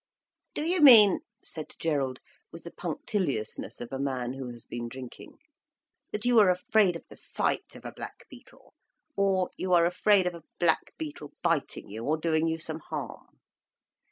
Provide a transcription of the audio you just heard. "Do you mean," said Gerald, with the punctiliousness of a man who has been drinking, "that you are afraid of the sight of a black beetle, or you are afraid of a black beetle biting you, or doing you some harm?"